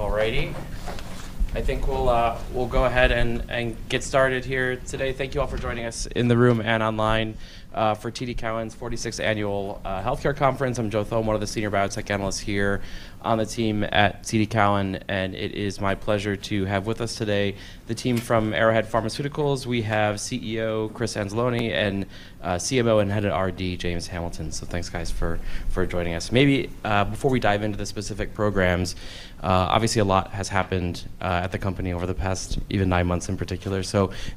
All right, awesome. All righty. I think we'll go ahead and get started here today. Thank you all for joining us in the room and online for TD Cowen's 46th Annual Healthcare Conference. I'm Joe Thome, one of the senior biotech analysts here on the team at TD Cowen, and it is my pleasure to have with us today the team from Arrowhead Pharmaceuticals. We have CEO Chris Anzalone and CMO and Head of R&D James Hamilton. Thanks, guys, for joining us. Maybe, before we dive into the specific programs, obviously, a lot has happened at the company over the past even 9 months in particular.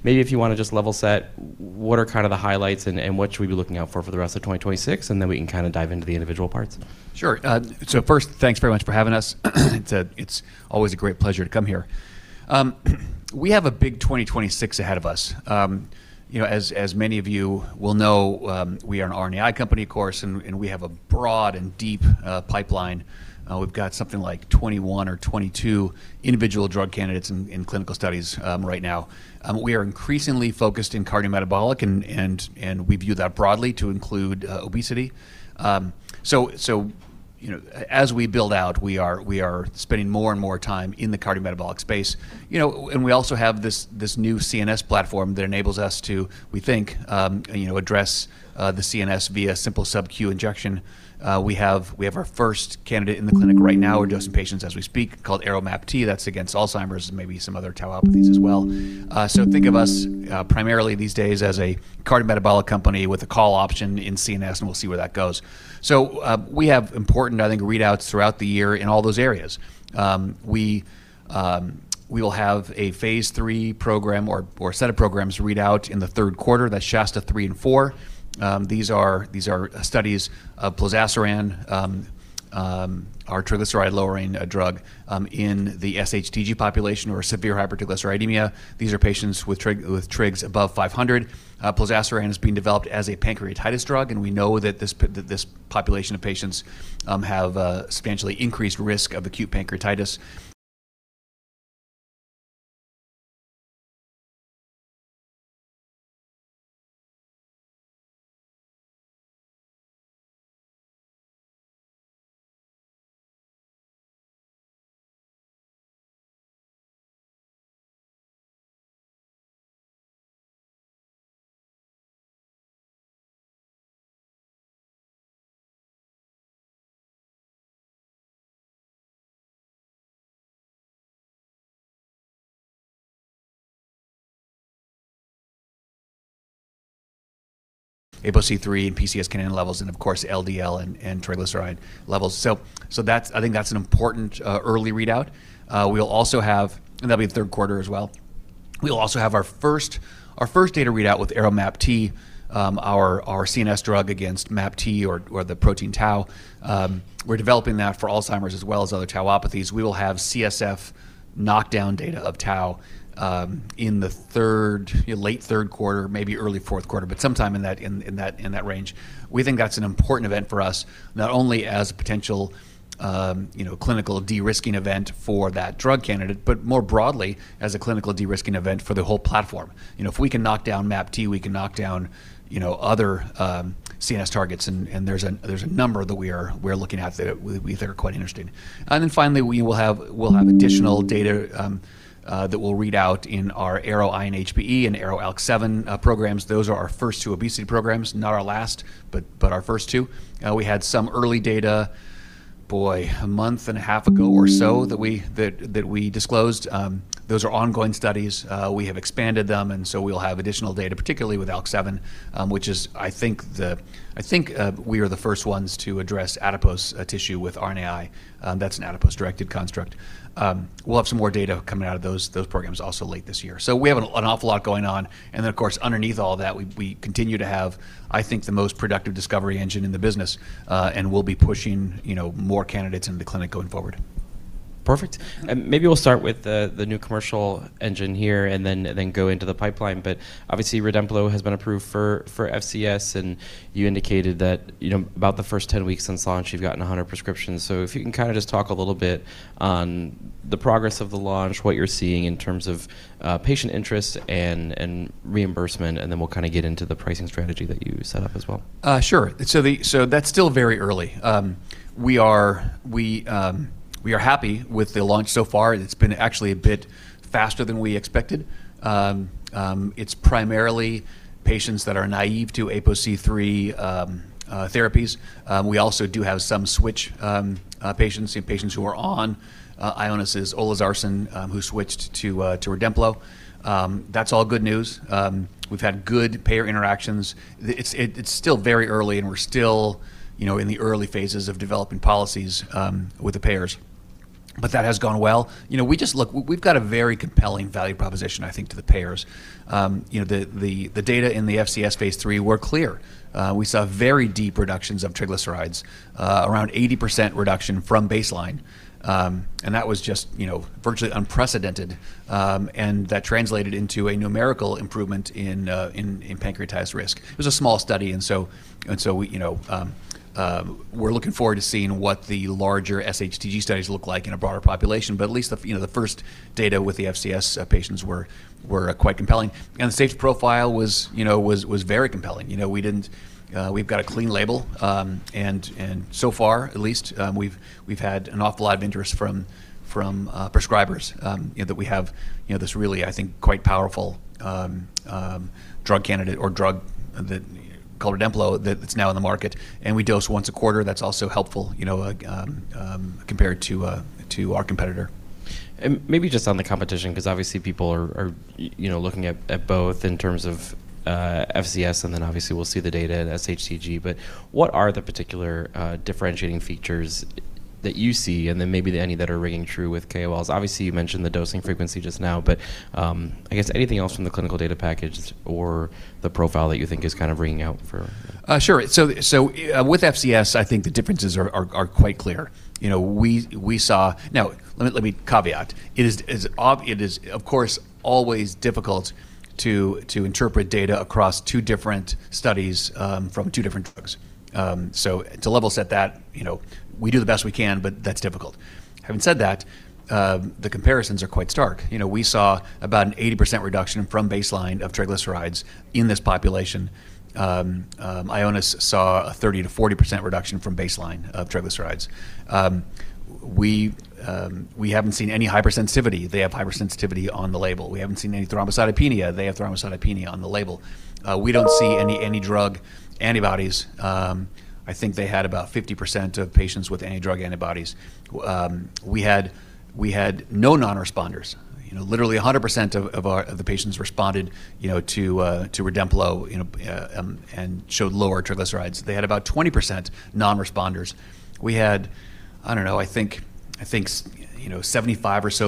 Maybe if you wanna just level set, what are kind of the highlights and what should we be looking out for for the rest of 2026? We can kinda dive into the individual parts. Sure. First, thanks very much for having us. It's always a great pleasure to come here. We have a big 2026 ahead of us. You know, as many of you will know, we are an RNAi company, of course, and we have a broad and deep pipeline. We've got something like 21 or 22 individual drug candidates in clinical studies right now. We are increasingly focused in cardiometabolic and we view that broadly to include obesity. You know, as we build out, we are spending more and more time in the cardiometabolic space. You know, we also have this new CNS platform that enables us to, we think, you know, address the CNS via simple subQ injection. We have our first candidate in the clinic right now. We're dosing patients as we speak, called ARO-MAPT. That's against Alzheimer's and maybe some other tauopathies as well. Think of us primarily these days as a cardiometabolic company with a call option in CNS, and we'll see where that goes. We have important, I think, readouts throughout the year in all those areas. We will have a phase III program or set of programs readout in the third quarter. That's SHASTA-3 and 4. These are studies of plozasiran, our triglyceride-lowering drug in the SHTG population or severe hypertriglyceridemia. These are patients with trigs above 500. Plozasiran is being developed as a pancreatitis drug, and we know that this population of patients have substantially increased risk of acute pancreatitis. APOC3 and PCSK9 levels, and of course, LDL and triglyceride levels. So that's I think that's an important early readout. We'll also have. That'll be in the third quarter as well. We'll also have our first data readout with ARO-MAPT, our CNS drug against MAPT or the protein tau. We're developing that for Alzheimer's as well as other tauopathies. We will have CSF knockdown data of tau, in the third, you know, late third quarter, maybe early fourth quarter, but sometime in that range. We think that's an important event for us, not only as a potential, you know, clinical de-risking event for that drug candidate, but more broadly, as a clinical de-risking event for the whole platform. You know, if we can knock down MAPT, we can knock down, you know, other CNS targets, and there's a number that we're looking at that we think are quite interesting. Finally, we'll have additional data that we'll read out in our ARO-INHBE and ARO-ALK7 programs. Those are our first two obesity programs, not our last, but our first two. We had some early data, boy, a month and a half months ago or so that we disclosed. Those are ongoing studies. We have expanded them. We'll have additional data, particularly with ARO-ALK7, which is we are the first ones to address adipose tissue with RNAi. That's an adipose-directed construct. We'll have some more data coming out of those programs also late this year. We have an awful lot going on. Of course, underneath all that, we continue to have, I think, the most productive discovery engine in the business, and we'll be pushing, you know, more candidates into the clinic going forward. Perfect. Maybe we'll start with the new commercial engine here and then go into the pipeline. Obviously, Waylivra has been approved for FCS, and you indicated that, you know, about the first 10 weeks since launch, you've gotten 100 prescriptions. If you can kinda just talk a little bit on the progress of the launch, what you're seeing in terms of patient interest and reimbursement, and then we'll kinda get into the pricing strategy that you set up as well. Sure. That's still very early. We are happy with the launch so far. It's been actually a bit faster than we expected. It's primarily patients that are naive to APOC3 therapies. We also do have some switch patients, you know, patients who are on Ionis' olezarsen, who switched to REDEMPLO. That's all good news. We've had good payer interactions. It's still very early, and we're still, you know, in the early phases of developing policies with the payers. That has gone well. You know, we've got a very compelling value proposition, I think, to the payers. You know, the data in the FCS phase III were clear. We saw very deep reductions of triglycerides, around 80% reduction from baseline, and that was just, you know, virtually unprecedented, and that translated into a numerical improvement in pancreatitis risk. It was a small study and so we, you know, we're looking forward to seeing what the larger SHTG studies look like in a broader population. At least, you know, the first data with the FCS patients were quite compelling. The safety profile was, you know, very compelling. You know, we didn't, we've got a clean label, and so far, at least, we've had an awful lot of interest from prescribers, you know, that we have, you know, this really, I think, quite powerful drug candidate or drug that Mm-hmm. called Waylivra that's now in the market. We dose once a quarter. That's also helpful, you know, compared to our competitor. Maybe just on the competition, 'cause obviously people are, you know, looking at both in terms of FCS and then obviously we'll see the data at SHTG. What are the particular differentiating features that you see and then maybe any that are ringing true with KOLs? Obviously, you mentioned the dosing frequency just now, I guess anything else from the clinical data package or the profile that you think is kind of ringing out for... Sure. With FCS, I think the differences are quite clear. You know, we saw. Now, let me caveat. It is, of course, always difficult to interpret data across two different studies from two different drugs. To level set that, you know, we do the best we can, but that's difficult. Having said that, the comparisons are quite stark. You know, we saw about an 80% reduction from baseline of triglycerides in this population. Ionis saw a 30%-40% reduction from baseline of triglycerides. We haven't seen any hypersensitivity. They have hypersensitivity on the label. We haven't seen any thrombocytopenia. They have thrombocytopenia on the label. We don't see any anti-drug antibodies. I think they had about 50% of patients with anti-drug antibodies. We had no non-responders. You know, literally 100% of our, of the patients responded, you know, to REDEMPLO, you know, and showed lower triglycerides. They had about 20% non-responders. We had, I don't know, I think, you know, 75% or so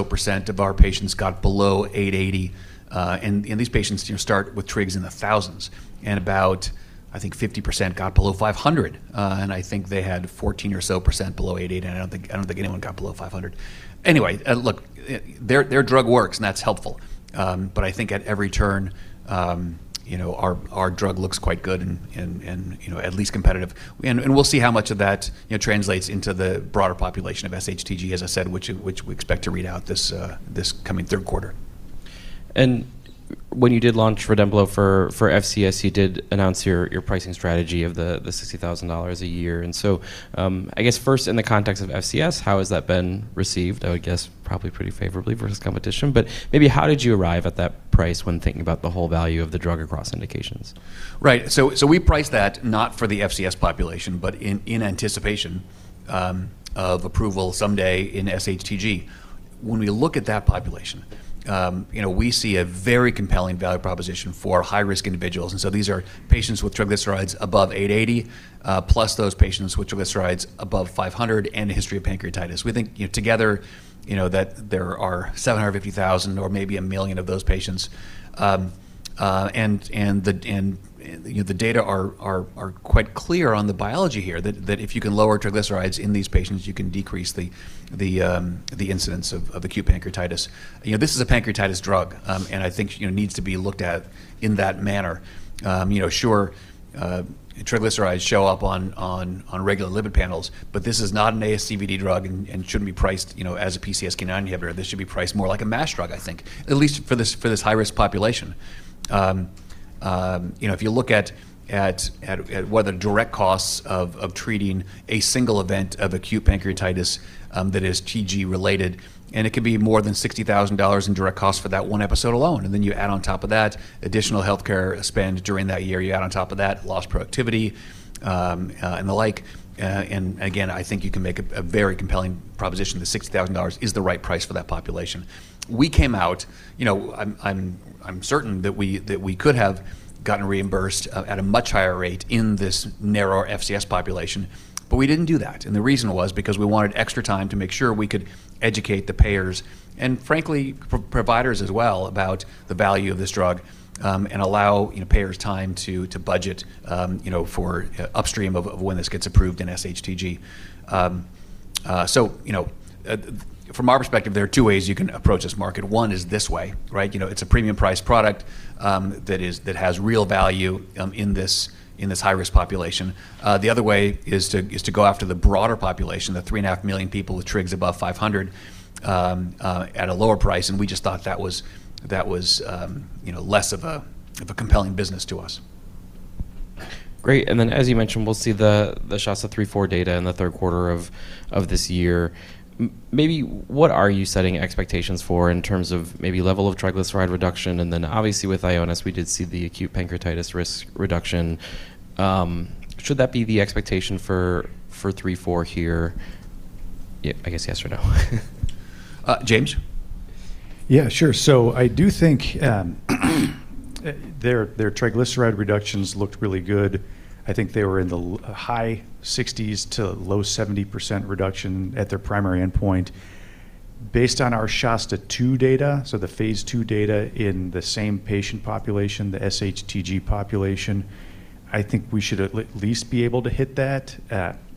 of our patients got below 880. And these patients, you know, start with trigs in the thousands and about, I think, 50% got below 500. And I think they had 14% or so below 880, and I don't think, I don't think anyone got below 500. Anyway, look, their drug works, and that's helpful. I think at every turn, you know, our drug looks quite good and, you know, at least competitive. We'll see how much of that, you know, translates into the broader population of SHTG, as I said, which we expect to read out this coming third quarter. When you did launch Waylivra for FCS, you did announce your pricing strategy of the $60,000 a year. I guess first in the context of FCS, how has that been received? I would guess probably pretty favorably versus competition. But maybe how did you arrive at that price when thinking about the whole value of the drug across indications? We priced that not for the FCS population, but in anticipation of approval someday in SHTG. When we look at that population, you know, we see a very compelling value proposition for high-risk individuals. These are patients with triglycerides above 880 plus those patients with triglycerides above 500 and a history of pancreatitis. We think, you know, together, you know, that there are 750,000 or maybe one million of those patients, and the, you know, the data are quite clear on the biology here that if you can lower triglycerides in these patients, you can decrease the incidence of acute pancreatitis. You know, this is a pancreatitis drug, and I think, you know, it needs to be looked at in that manner. You know, sure, triglycerides show up on regular lipid panels, but this is not an ASCVD drug and shouldn't be priced, you know, as a PCSK9 inhibitor. This should be priced more like a MASH drug, I think, at least for this high-risk population. You know, if you look at what are the direct costs of treating a single event of acute pancreatitis that is TG related, and it could be more than $60,000 in direct costs for that one episode alone. You add on top of that additional healthcare spend during that year. You add on top of that lost productivity and the like, and again, I think you can make a very compelling proposition that $60,000 is the right price for that population. We came out, you know, I'm certain that we could have gotten reimbursed at a much higher rate in this narrower FCS population, but we didn't do that. The reason was because we wanted extra time to make sure we could educate the payers and frankly, pro-providers as well, about the value of this drug, and allow, you know, payers time to budget, you know, for upstream of when this gets approved in SHTG. From our perspective, there are two ways you can approach this market. One is this way, right? You know, it's a premium priced product, that is, that has real value, in this, in this high-risk population. The other way is to go after the broader population, the three and a half million people with trigs above 500, at a lower price. We just thought that was, you know, less of a, of a compelling business to us. Great. As you mentioned, we'll see the SHASTA-3/4 data in the third quarter of this year. Maybe what are you setting expectations for in terms of maybe level of triglyceride reduction? Then obviously with Ionis, we did see the acute pancreatitis risk reduction. Should that be the expectation for SHASTA-3/4 here? I guess yes or no? James? Yeah, sure. I do think their triglyceride reductions looked really good. I think they were in the high 60s to low 70% reduction at their primary endpoint. Based on our SHASTA-2 data, so the phase II data in the same patient population, the SHTG population, I think we should at least be able to hit that.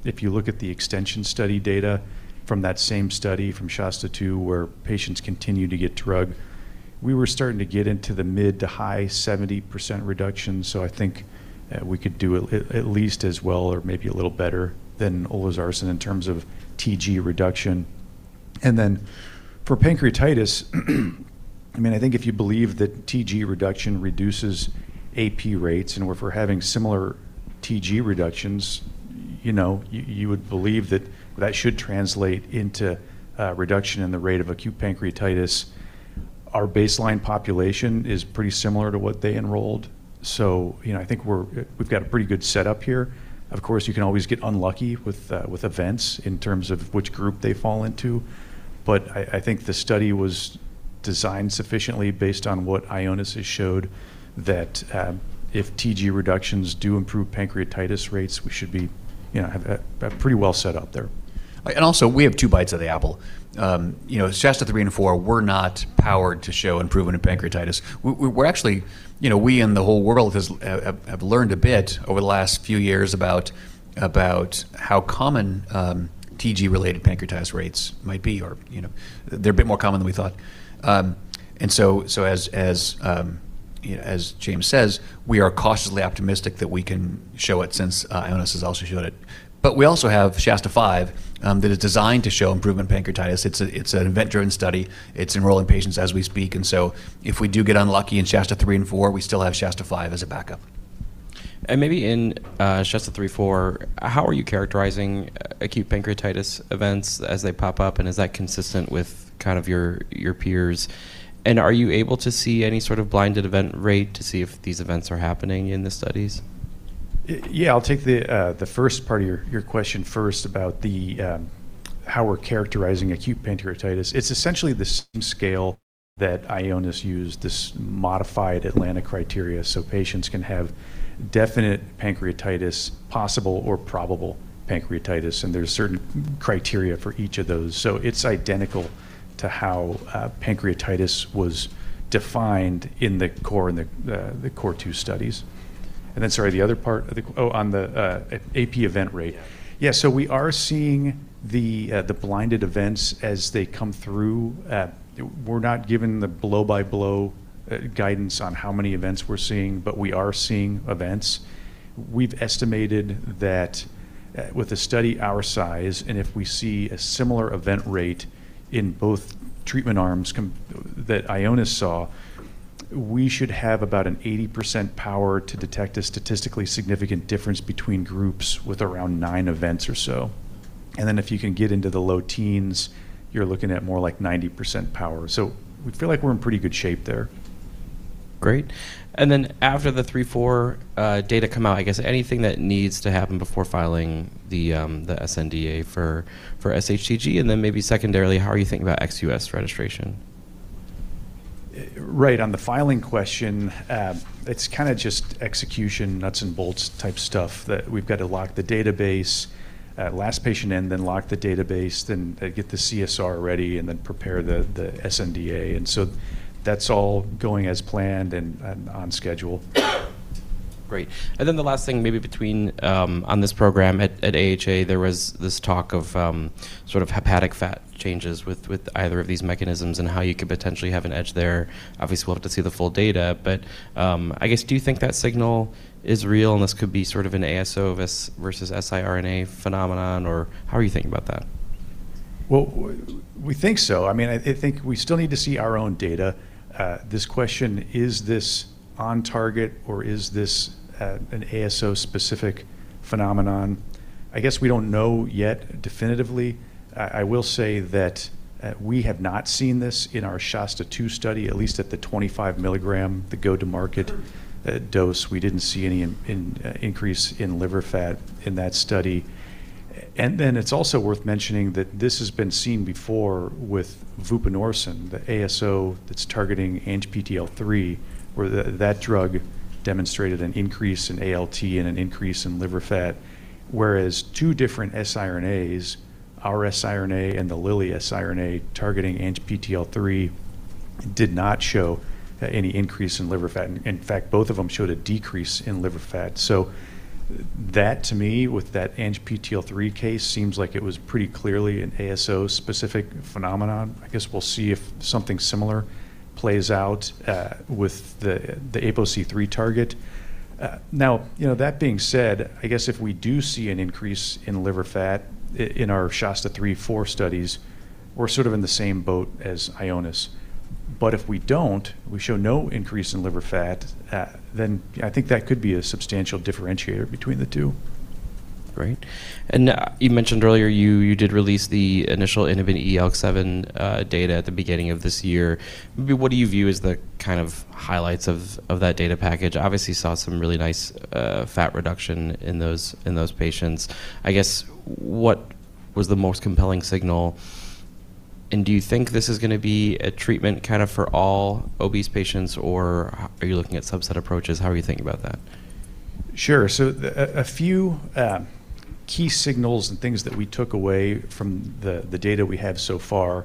If you look at the extension study data from that same study from SHASTA-2, where patients continued to get drug, we were starting to get into the mid to high 70% reduction. I think we could do at least as well or maybe a little better than olezarsen in terms of TG reduction. For pancreatitis, I mean, I think if you believe that TG reduction reduces AP rates, and if we're having similar TG reductions, you know, you would believe that that should translate into a reduction in the rate of acute pancreatitis. Our baseline population is pretty similar to what they enrolled, you know, I think we've got a pretty good setup here. Of course, you can always get unlucky with events in terms of which group they fall into, I think the study was designed sufficiently based on what Ionis has showed that if TG reductions do improve pancreatitis rates, we should be, you know, have a pretty well set up there. Also, we have two bites of the apple. you know, SHASTA-3 and 4 were not powered to show improvement in pancreatitis. We're actually, you know, we and the whole world has learned a bit over the last few years about how common TG-related pancreatitis rates might be, or, you know. They're a bit more common than we thought. As you know, as James says, we are cautiously optimistic that we can show it since Ionis has also showed it. We also have SHASTA-5 that is designed to show improvement in pancreatitis. It's an event-driven study. It's enrolling patients as we speak. If we do get unlucky in SHASTA-3 and 4, we still have SHASTA-5 as a backup. Maybe in SHASTA-3, SHASTA-4, how are you characterizing acute pancreatitis events as they pop up, and is that consistent with kind of your peers? Are you able to see any sort of blinded event rate to see if these events are happening in the studies? Yeah, I'll take the first part of your question first about how we're characterizing acute pancreatitis. It's essentially the same scale that Ionis used, this modified Atlanta criteria, so patients can have definite pancreatitis, possible or probable pancreatitis, and there's certain criteria for each of those. It's identical to how pancreatitis was defined in the core two studies. Sorry, the other part of the... on the AP event rate. Yeah. We are seeing the blinded events as they come through. We're not given the blow-by-blow guidance on how many events we're seeing, but we are seeing events. We've estimated that with a study our size, and if we see a similar event rate in both treatment arms that Ionis saw, we should have about an 80% power to detect a statistically significant difference between groups with around nine events or so. If you can get into the low teens, you're looking at more like 90% power. We feel like we're in pretty good shape there. Great. After the 3, 4, data come out, I guess anything that needs to happen before filing the SNDA for SHTG, and then maybe secondarily, how are you thinking about Ex-U.S. registration? Right. On the filing question, it's kinda just execution nuts and bolts type stuff that we've got to lock the database, last patient in, then lock the database, then get the CSR ready, and then prepare the SNDA. That's all going as planned and on schedule. Great. The last thing maybe between, on this program at AHA, there was this talk of, sort of hepatic fat changes with either of these mechanisms and how you could potentially have an edge there. Obviously, we'll have to see the full data, I guess, do you think that signal is real, and this could be sort of an ASO versus siRNA phenomenon, or how are you thinking about that? We think so. I mean, I think we still need to see our own data. This question, is this on target or is this an ASO-specific phenomenon? I guess we don't know yet definitively. I will say that we have not seen this in our SHASTA-2 study, at least at the 25 milligram, the go-to-market dose. We didn't see any increase in liver fat in that study. It's also worth mentioning that this has been seen before with vupanorsen, the ASO that's targeting ANGPTL3, where that drug demonstrated an increase in ALT and an increase in liver fat. Whereas two different siRNAs, our siRNA and the Lilly siRNA targeting ANGPTL3 did not show any increase in liver fat. In fact, both of them showed a decrease in liver fat. That to me, with that ANGPTL3 case, seems like it was pretty clearly an ASO-specific phenomenon. I guess we'll see if something similar plays out, with the ApoC-III target. Now, you know, that being said, I guess if we do see an increase in liver fat in our SHASTA-3, SHASTA-4 studies, we're sort of in the same boat as Ionis. But if we don't, we show no increase in liver fat, then I think that could be a substantial differentiator between the two. Great. You mentioned earlier you did release the initial ARO-ALK7 data at the beginning of this year. What do you view as the kind of highlights of that data package? Obviously, you saw some really nice fat reduction in those patients. I guess what was the most compelling signal. Do you think this is gonna be a treatment kind of for all obese patients or are you looking at subset approaches? How are you thinking about that? Sure. A few key signals and things that we took away from the data we have so far,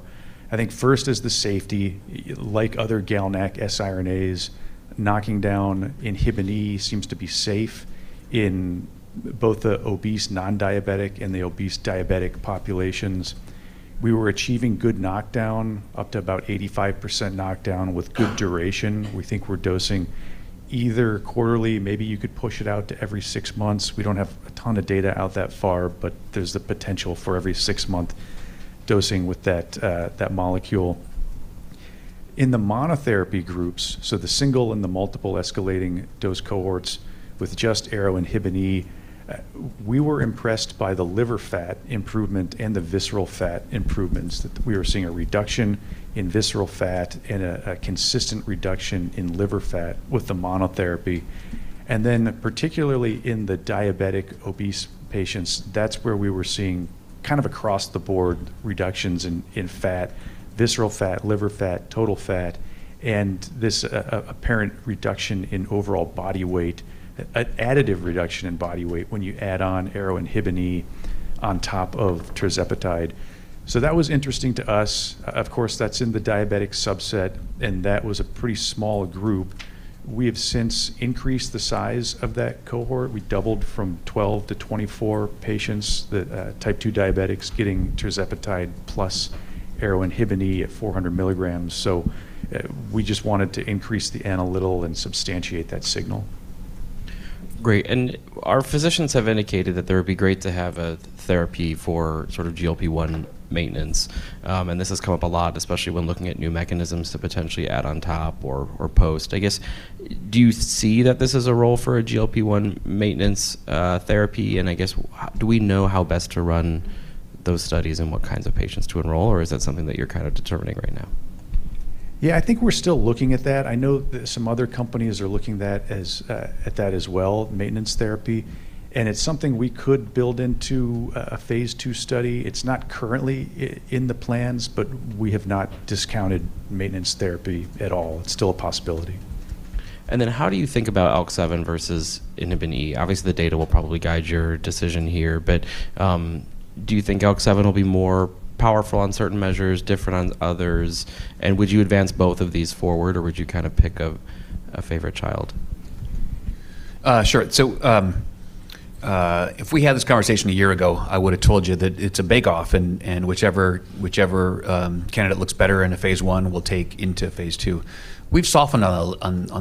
I think first is the safety. Like other GalNAc siRNAs, knocking down INHBE seems to be safe in both the obese non-diabetic and the obese diabetic populations. We were achieving good knockdown, up to about 85% knockdown with good duration. We think we're dosing either quarterly, maybe you could push it out to every six months. We don't have a ton of data out that far, but there's the potential for every six month dosing with that molecule. In the monotherapy groups, so the single and the multiple escalating dose cohorts with just ARO-INHBE, we were impressed by the liver fat improvement and the visceral fat improvements, that we were seeing a reduction in visceral fat and a consistent reduction in liver fat with the monotherapy. Particularly in the diabetic obese patients, that's where we were seeing kind of across-the-board reductions in fat, visceral fat, liver fat, total fat, and this apparent reduction in overall body weight, additive reduction in body weight when you add on ARO-INHBE on top of tirzepatide. That was interesting to us. Of course, that's in the diabetic subset, and that was a pretty small group. We have since increased the size of that cohort. We doubled from 12 to 24 patients, the type 2 diabetics getting tirzepatide plus ARO-INHBE at 400 milligrams. We just wanted to increase the analytical and substantiate that signal. Great. Our physicians have indicated that it would be great to have a therapy for sort of GLP-1 maintenance. This has come up a lot, especially when looking at new mechanisms to potentially add on top or post. I guess, do you see that this is a role for a GLP-1 maintenance therapy? I guess, do we know how best to run those studies and what kinds of patients to enroll, or is that something that you're kind of determining right now? Yeah, I think we're still looking at that. I know that some other companies are looking that at that as well, maintenance therapy, and it's something we could build into a phase II study. It's not currently in the plans, we have not discounted maintenance therapy at all. It's still a possibility. How do you think about ALK-7 versus INHBE? Obviously, the data will probably guide your decision here, but do you think ALK-7 will be more powerful on certain measures, different on others? Would you advance both of these forward, or would you kind of pick a favorite child? Sure. If we had this conversation a year ago, I would have told you that it's a bake-off and whichever candidate looks better in a phase I, we'll take into phase II. We've softened on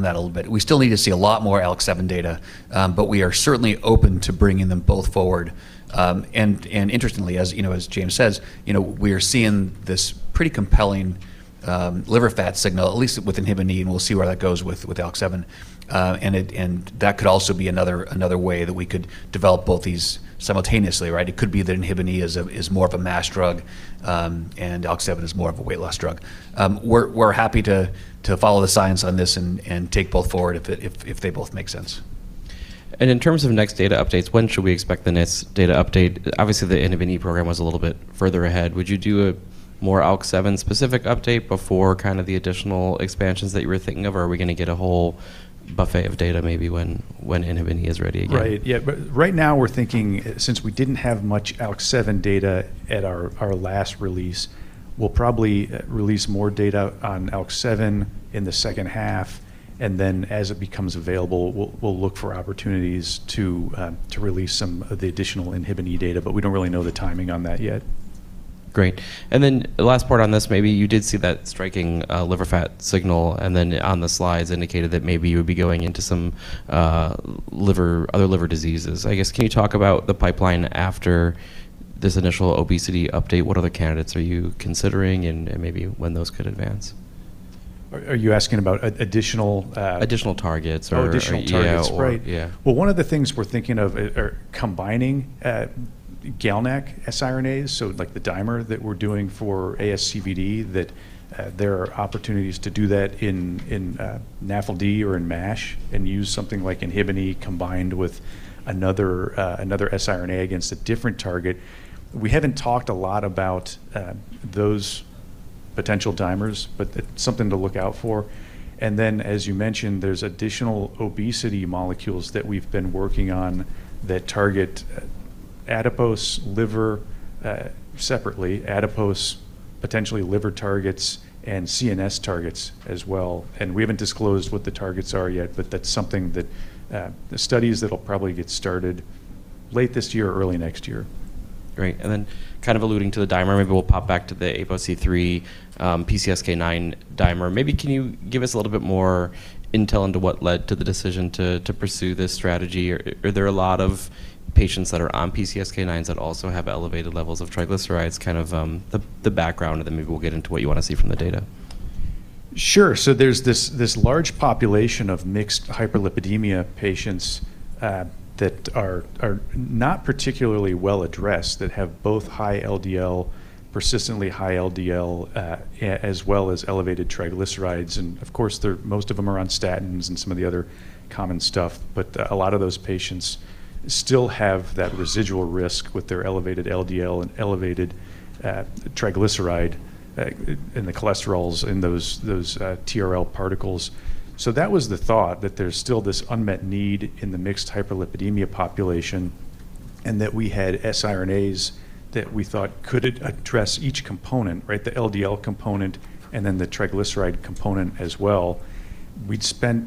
that a little bit. We still need to see a lot more ALK-7 data, but we are certainly open to bringing them both forward. And interestingly, as you know, as James says, you know, we are seeing this pretty compelling liver fat signal, at least with INHBE, and we'll see where that goes with ALK-7. And that could also be another way that we could develop both these simultaneously, right? It could be that INHBE is more of a MASH drug, and ALK-7 is more of a weight loss drug. We're happy to follow the science on this and take both forward if they both make sense. In terms of next data updates, when should we expect the next data update? Obviously, the INHBE program was a little bit further ahead. Would you do a more ALK-7 specific update before kind of the additional expansions that you were thinking of, or are we gonna get a whole buffet of data maybe when INHBE is ready again? Right. Yeah. Right now we're thinking since we didn't have much ALK-7 data at our last release, we'll probably release more data on ALK-7 in the second half. As it becomes available, we'll look for opportunities to release some of the additional INHBE data. We don't really know the timing on that yet. Great. Last part on this, maybe you did see that striking liver fat signal and then on the slides indicated that maybe you would be going into some other liver diseases. I guess, can you talk about the pipeline after this initial obesity update? What other candidates are you considering and maybe when those could advance? Are you asking about additional? Additional targets. Oh, additional targets. Yeah. Right. Yeah. Well, one of the things we're thinking of or combining GalNAc siRNAs, so like the dimer that we're doing for ASCVD, there are opportunities to do that in NAFLD or in MASH and use something like INHBE combined with another siRNA against a different target. We haven't talked a lot about those potential dimers, but something to look out for. As you mentioned, there's additional obesity molecules that we've been working on that target adipose liver, separately, adipose, potentially liver targets, and CNS targets as well. We haven't disclosed what the targets are yet, but that's something that the studies that'll probably get started late this year or early next year. Great. Kind of alluding to the dimer, maybe we'll pop back to the ApoC-III, PCSK9 dimer. Maybe can you give us a little bit more intel into what led to the decision to pursue this strategy? Are there a lot of patients that are on PCSK9s that also have elevated levels of triglycerides, kind of, the background of them, maybe we'll get into what you wanna see from the data? Sure. There's this large population of mixed hyperlipidemia patients that are not particularly well addressed that have both persistently high LDL as well as elevated triglycerides. Of course, most of them are on statins and some of the other common stuff, but a lot of those patients still have that residual risk with their elevated LDL and elevated triglyceride in the cholesterols in those TRL particles. That was the thought that there's still this unmet need in the mixed hyperlipidemia population. We had siRNAs that we thought could address each component, right? The LDL component and then the triglyceride component as well. We'd spent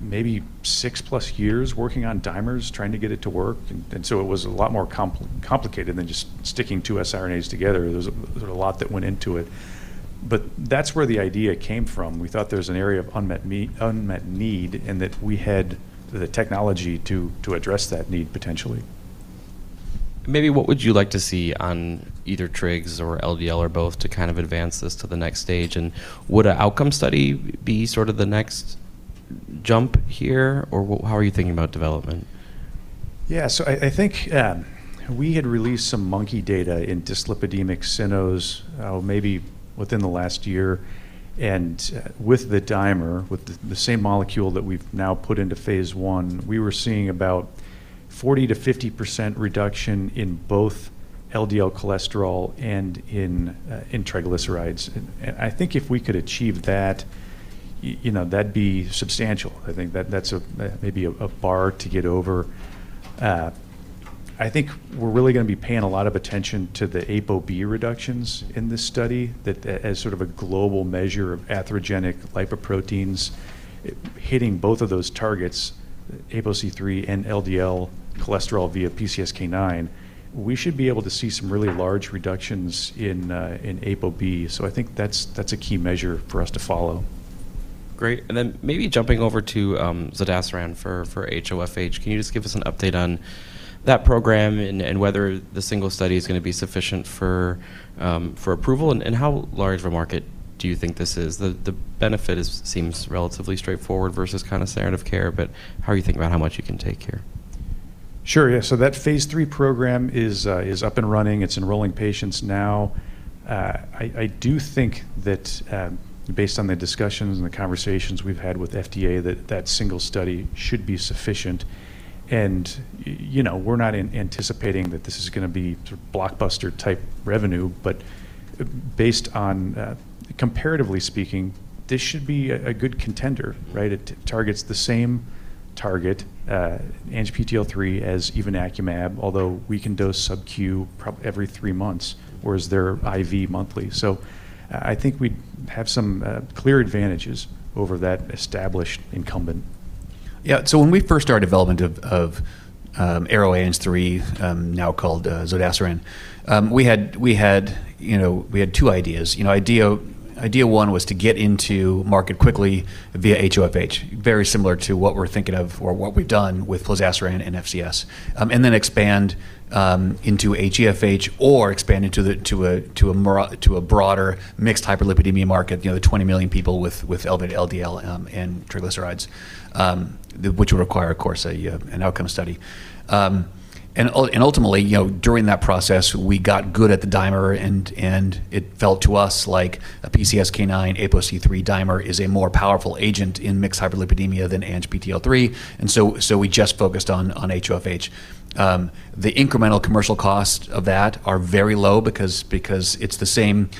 maybe six plus years working on dimers, trying to get it to work. It was a lot more complicated than just sticking two siRNAs together. There's a lot that went into it. That's where the idea came from. We thought there's an area of unmet need, and that we had the technology to address that need potentially. Maybe what would you like to see on either trigs or LDL or both to kind of advance this to the next stage? Would a outcome study be sort of the next jump here, or how are you thinking about development? Yeah. I think, we had released some monkey data in dyslipidemic cynos, maybe within the last year. With the dimer, the same molecule that we've now put into phase I, we were seeing about 40%-50% reduction in both LDL cholesterol and in triglycerides. I think if we could achieve that, you know, that'd be substantial. I think that's a, maybe a bar to get over. I think we're really gonna be paying a lot of attention to the ApoB reductions in this study, that, as sort of a global measure of atherogenic lipoproteins. Hitting both of those targets, ApoC-III and LDL cholesterol via PCSK9, we should be able to see some really large reductions in ApoB. I think that's a key measure for us to follow. Great. Then maybe jumping over to zodasiran for HoFH. Can you just give us an update on that program and whether the single study is gonna be sufficient for approval? How large of a market do you think this is? The benefit is, seems relatively straightforward versus kind of standard of care, but how are you thinking about how much you can take here? Sure. Yeah. That phase III program is up and running. It's enrolling patients now. I do think that, based on the discussions and the conversations we've had with FDA, that that single study should be sufficient. You know, we're not anticipating that this is gonna be sort of blockbuster-type revenue, but based on, comparatively speaking, this should be a good contender, right? It targets the same target, ANGPTL3, as evinacumab, although we can dose subQ every three months, whereas they're IV monthly. I think we have some clear advantages over that established incumbent. Yeah. When we first started development of ARO-ANG3, now called zodasiran, we had, you know, two ideas. Idea one was to get into market quickly via HoFH, very similar to what we're thinking of or what we've done with plozasiran and FCS, and then expand into HeFH or expand into a broader mixed hyperlipidemia market, you know, the 20 million people with elevated LDL and triglycerides, which would require, of course, an outcome study. Ultimately, you know, during that process, we got good at the dimer and it felt to us like a PCSK9 ApoC-III dimer is a more powerful agent in mixed hyperlipidemia than ANGPTL3, and so we just focused on HoFH. The incremental commercial cost of that are very low because it's the same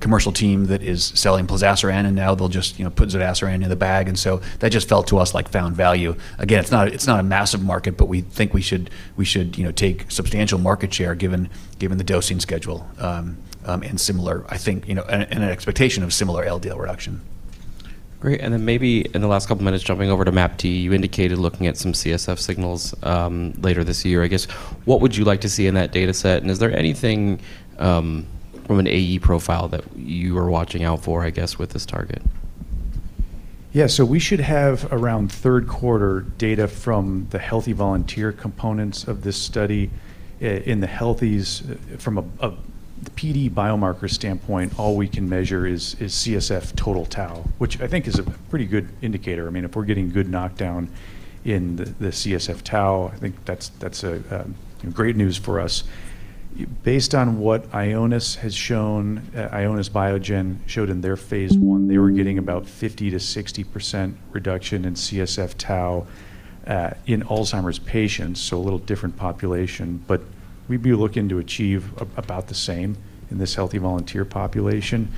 commercial team that is selling plozasiran, and now they'll just, you know, put zodasiran in the bag. That just felt to us like found value. Again, it's not, it's not a massive market, but we think we should, you know, take substantial market share given the dosing schedule, and similar, I think, you know, an expectation of similar LDL reduction. Great. Then maybe in the last couple minutes, jumping over to ARO-MAPT, you indicated looking at some CSF signals later this year. I guess, what would you like to see in that data set? Is there anything from an AE profile that you are watching out for, I guess, with this target? Yeah. We should have around third quarter data from the healthy volunteer components of this study. In the healthies, from a PD biomarker standpoint, all we can measure is CSF total tau, which I think is a pretty good indicator. I mean, if we're getting good knockdown in the CSF tau, I think that's a great news for us. Based on what Ionis has shown, Ionis Biogen showed in their phase I, they were getting about 50%-60% reduction in CSF tau, in Alzheimer's patients, so a little different population. We'd be looking to achieve about the same in this healthy volunteer population.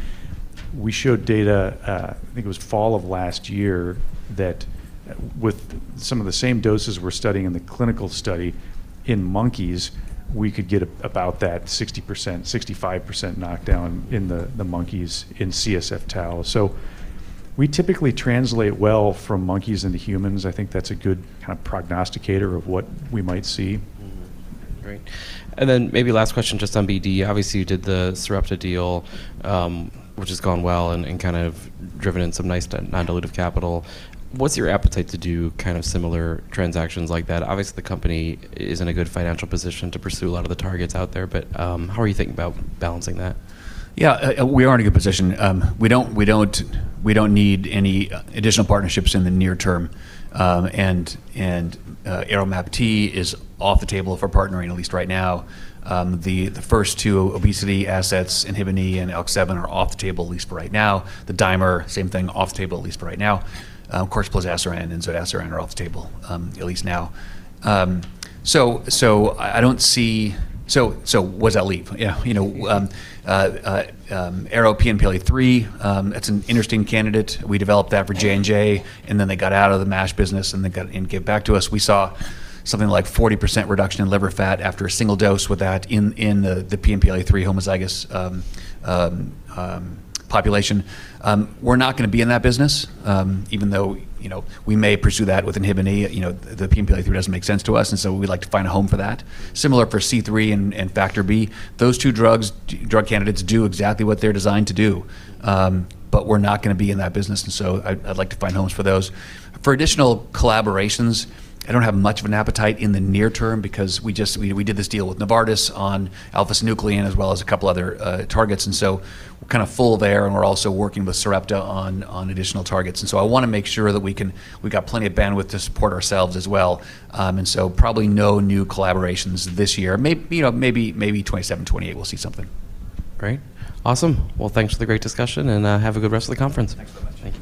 We showed data, I think it was fall of last year, that, with some of the same doses we're studying in the clinical study in monkeys, we could get about that 60%, 65% knockdown in the monkeys in CSF tau. We typically translate well from monkeys into humans. I think that's a good kind of prognosticator of what we might see. Mm-hmm. Great. Maybe last question just on BD. Obviously, you did the Sarepta deal, which has gone well and kind of driven in some nice non-dilutive capital. What's your appetite to do kind of similar transactions like that? Obviously, the company is in a good financial position to pursue a lot of the targets out there, how are you thinking about balancing that? Yeah. We are in a good position. We don't need any additional partnerships in the near term. ARO-MAPT is off the table for partnering at least right now. The first two obesity assets, ARO-INHBE and ARO-ALK7, are off the table at least for right now. The dimer, same thing, off the table at least for right now. Of course, plozasiran and zodasiran are off the table, at least now. I don't see what does that leave? Yeah, you know, ARO-PNPLA3, that's an interesting candidate. We developed that for J&J, and then they got out of the MASH business, and gave it back to us. We saw something like 40% reduction in liver fat after a single dose with that in the PNPLA3 homozygous population. We're not gonna be in that business, even though, you know, we may pursue that with INHBE. You know, the PNPLA3 doesn't make sense to us, and so we'd like to find a home for that. Similar for C3 and factor B. Those two drug candidates do exactly what they're designed to do, but we're not gonna be in that business, and so I'd like to find homes for those. For additional collaborations, I don't have much of an appetite in the near term because we did this deal with Novartis on alpha-synuclein as well as a couple other targets. We're kind of full there, and we're also working with Sarepta on additional targets. I wanna make sure that we got plenty of bandwidth to support ourselves as well. Probably no new collaborations this year. You know, maybe 2027, 2028, we'll see something. Great. Awesome. Well, thanks for the great discussion, and have a good rest of the conference. Thanks so much. Thank you.